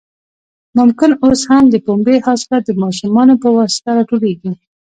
ممکن اوس هم د پنبې حاصلات د ماشومانو په واسطه راټولېږي.